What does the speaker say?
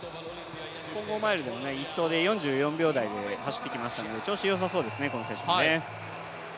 混合マイルでも１走で４４秒台で走ってきましたので調子よさそうですね。